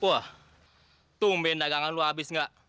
wah tumben dagangan lo abis nggak